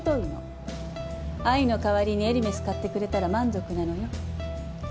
愛の代わりにエルメス買ってくれたら満足なのよ。